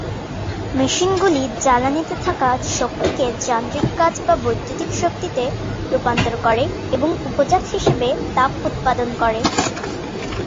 মেশিনগুলি জ্বালানী তে থাকা শক্তিকে যান্ত্রিক কাজ বা বৈদ্যুতিক শক্তিতে রূপান্তর করে এবং উপজাত হিসাবে তাপ উৎপাদন করে।